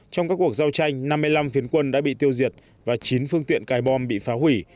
trong các cuộc giao tranh năm mươi năm phiến quân đã bị tiêu diệt và chín phương tiện cài bom bị phá hủy